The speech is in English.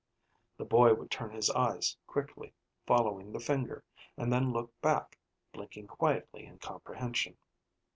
The boy would turn his eyes quickly, following the finger, and then look back, blinking quietly in comprehension.